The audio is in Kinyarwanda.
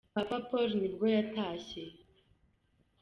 Papa Paul wa nibwo yatashye.